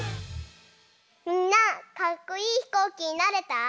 みんなかっこいいひこうきになれた？